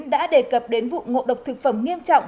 đã đề cập đến vụ ngộ độc thực phẩm nghiêm trọng